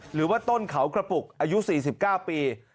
หรือว่าต้นเขากระปุกอายุ๔๙ปี